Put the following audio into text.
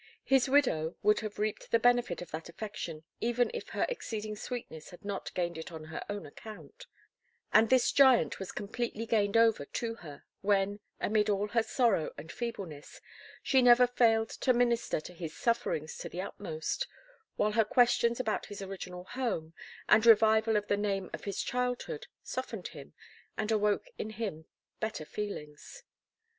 His widow would have reaped the benefit of that affection even if her exceeding sweetness had not gained it on her own account; and this giant was completely gained over to her, when, amid all her sorrow and feebleness, she never failed to minister to his sufferings to the utmost, while her questions about his original home, and revival of the name of his childhood, softened him, and awoke in him better feelings.